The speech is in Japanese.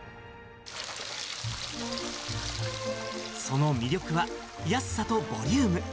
その魅力は、安さとボリューム。